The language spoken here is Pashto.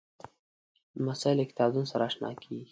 لمسی له کتابتون سره اشنا کېږي.